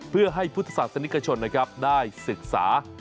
เพื่อให้พุทธศาสนิกชนได้ศึกษา